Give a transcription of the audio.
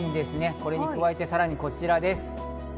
これに加えてさらにこちらです。